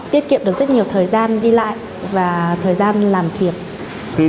tiết kiệm được rất nhiều thời gian đi lại và thời gian làm việc